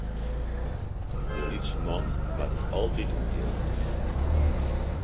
De lytse man moat it altyd ûntjilde.